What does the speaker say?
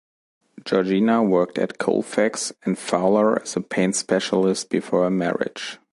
Georgina worked at Colefax and Fowler as a paint specialist before her marriage.